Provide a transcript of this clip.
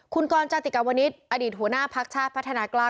คุณกรจาติกาวนิษฐ์อดีตหัวหน้าพักชาติพัฒนากล้า